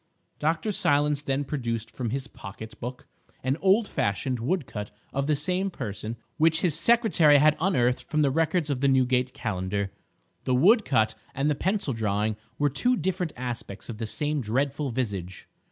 Dr. Silence then produced from his pocket book an old fashioned woodcut of the same person which his secretary had unearthed from the records of the Newgate Calendar. The woodcut and the pencil drawing were two different aspects of the same dreadful visage.